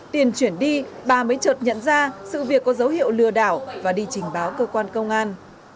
tiền chuyển đi bà mới trợt nhận ra sự việc có dấu hiệu lừa đảo và đi trình báo cơ quan công an